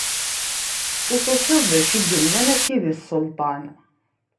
Ur tufiḍ d acu yellan a sidi Selṭan.